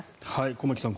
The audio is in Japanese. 駒木さん